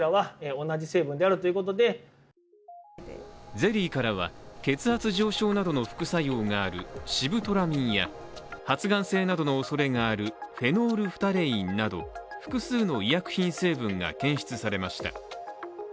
ゼリーからは、血圧上昇などの副作用があるシブトラミンや発がん性などのおそれがあるフェノールフタレインなど複数の医薬品成分が検出されました。